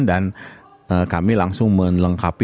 dan kami langsung melengkapi